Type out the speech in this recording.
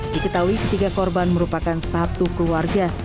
diketahui ketiga korban merupakan satu keluarga